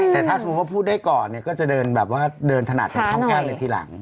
แต่ถ้าสมมุติว่าพูดได้ก่อนเนี่ยก็จะเดินแบบว่าเดินถนัดข้างเลยทีหลัง